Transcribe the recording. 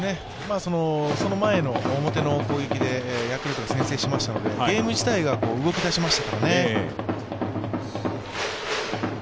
その前の表の攻撃でヤクルトが先制しましたのでゲーム自体が動きだしましたね。